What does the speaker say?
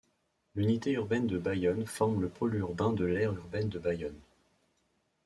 L'unité urbaine de Bayonne forme le pôle urbain de l'aire urbaine de Bayonne.